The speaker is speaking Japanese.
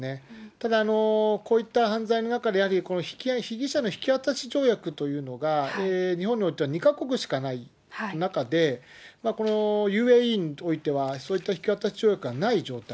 ただ、こういった犯罪の中で、被疑者の引き渡し条約というのが日本においては２か国しかない中で、このＵＡＥにおいては、そういった引き渡し条約がない状態。